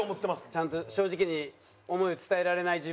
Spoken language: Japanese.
ちゃんと正直に想いを伝えられない自分が？